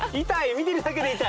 見てるだけで痛い。